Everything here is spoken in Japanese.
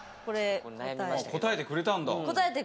答えてくれたんだ。